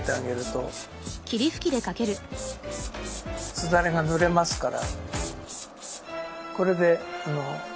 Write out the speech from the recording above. すだれがぬれますから。